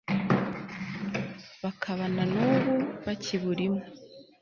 bakaba na n'ubu bakiburimo